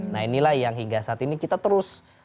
nah inilah yang hingga saat ini kita terus